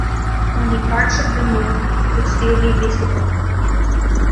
Only parts of the moat would still be visible.